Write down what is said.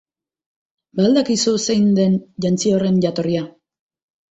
Ba al dakizu zein den jantzi horren jatorria?